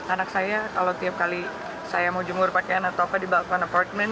anak saya kalau tiap kali saya mau jemur pakaian atau apa di balkon apartment